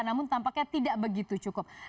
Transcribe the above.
namun tampaknya tidak begitu cukup